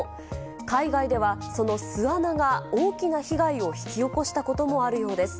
海外ではその巣穴が大きな被害を引き起こしたこともあるようです。